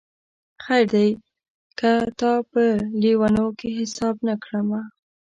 خیر دی که تا په لېونیو کي حساب نه کړمه